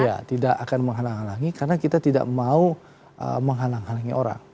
ya tidak akan menghalang halangi karena kita tidak mau menghalang halangi orang